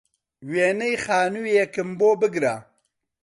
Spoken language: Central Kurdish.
وێنەی خانووێکم بۆ بگرە